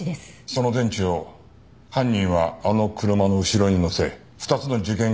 その電池を犯人はあの車の後ろに載せ２つの事件